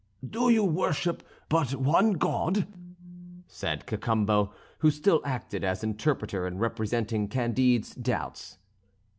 "Do you worship but one God?" said Cacambo, who still acted as interpreter in representing Candide's doubts.